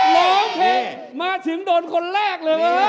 ร้องเพลงมาถึงโดนคนแรกเลยเมื่อไหร่